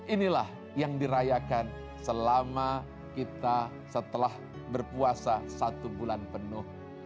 inilah yang dirayakan selama kita setelah berpuasa satu bulan penuh